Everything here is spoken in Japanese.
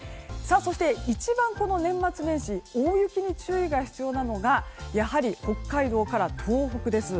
そして一番、年末年始大雪に注意が必要なのがやはり北海道から東北です。